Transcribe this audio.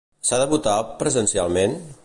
S'ha de votar presencialment?